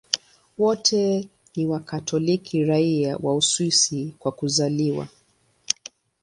Wote ni Wakatoliki raia wa Uswisi kwa kuzaliwa.